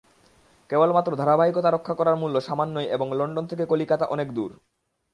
কেবল মাত্র ধারাবাহিকতা রক্ষা করার মূল্য সামান্যই এবং লণ্ডন থেকে কলিকাতা অনেক দূর।